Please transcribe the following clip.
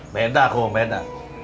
beda kum beda